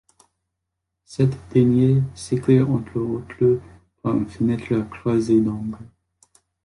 Cette dernière s'éclaire entre autres par une fenêtre à croisée d'angle.